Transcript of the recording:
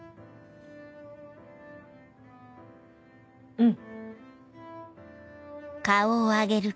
うん。